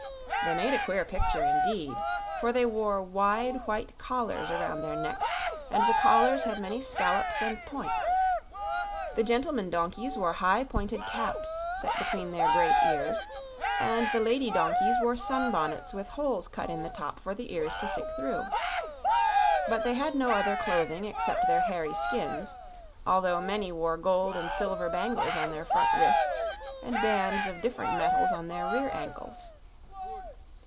They made a queer picture, indeed; for they wore wide, white collars around their necks and the collars had many scallops and points. The gentlemen donkeys wore high pointed caps set between their great ears, and the lady donkeys wore sunbonnets with holes cut in the top for the ears to stick through. But they had no other clothing except their hairy skins, although many wore gold and silver bangles on their front wrists and bands of different metals on their rear ankles.